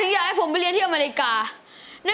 หลายน้อยละนะ